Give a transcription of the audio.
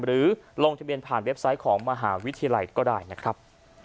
ลงทะเบียนผ่านเว็บไซต์ของมหาวิทยาลัยก็ได้นะครับ